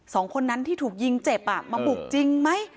สองคนนั้นที่ถูกยิงเจ็บมาบุกจริงไหม